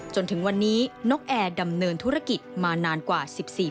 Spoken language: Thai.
จนถึงวันนี้นกแอร์ดำเนินธุรกิจมานานกว่า๑๔ปี